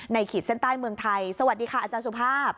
ขีดเส้นใต้เมืองไทยสวัสดีค่ะอาจารย์สุภาพ